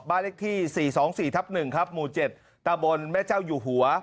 บ้านเลขที่๔๒๔ทับ๑ครับหมู่๗ตะบนแม่เจ้าอยู่หัว